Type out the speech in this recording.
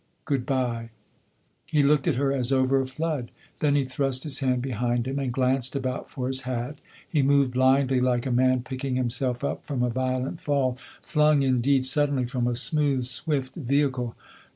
" Good bye." He looked at her as over a flood ; then he thrust his hand behind him and glanced about for his hat. He moved blindly, like a man picking himself up from a violent fall flung indeed suddenly from a smooth, swift vehicle.